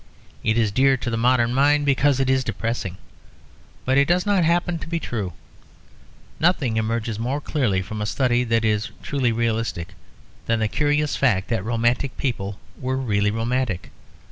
It is dear to the modern mind because it is depressing; but it does not happen to be true. Nothing emerges more clearly from a study that is truly realistic, than the curious fact that romantic people were really romantic.